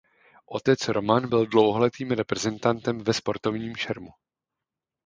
Otec Roman byl dlouholetým reprezentantem ve sportovním šermu.